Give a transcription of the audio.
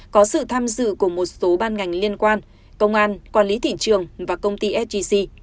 có sự tham dự của một số ban ngành liên quan công an quản lý thị trường và công ty sgc